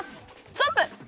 ストップ！